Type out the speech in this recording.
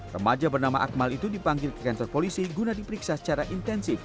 remaja bernama akmal itu dipanggil ke kantor polisi guna diperiksa secara intensif